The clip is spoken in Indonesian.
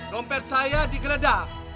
dompet saya digeledak